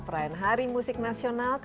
perayaan hari musik nasional